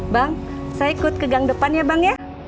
bang saya ikut ke gang depan ya bang ya